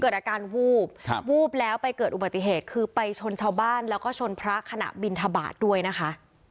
อาการวูบครับวูบแล้วไปเกิดอุบัติเหตุคือไปชนชาวบ้านแล้วก็ชนพระขณะบินทบาทด้วยนะคะ